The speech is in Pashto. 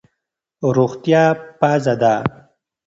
روغتیا پازه ده.